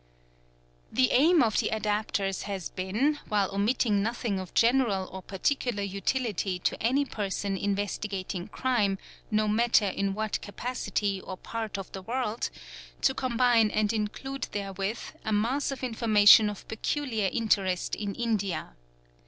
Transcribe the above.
_ The aim of the adaptors has been, while omitting nothing of general 4 or particular utility to any person investigating crime, no matter in what ' capacity or part of the world, to combine and include therewith a mass of q information of peculiar interest in India.